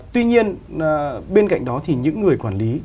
tuy nhiên bên cạnh đó thì những người quản lý